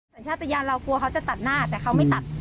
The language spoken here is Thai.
สัญชาติยานเรากลัวเขาจะตัดหน้าแต่เขาไม่ตัด